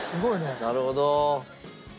なるほど。